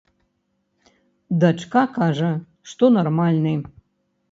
Дачка кажа, што нармальны.